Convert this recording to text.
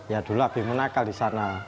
yadul abimu nakal disana